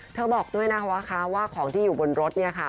เธอบอกด้วยนะคะว่าของที่อยู่บนรถเนี่ยค่ะ